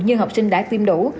như học sinh đã tiêm đủ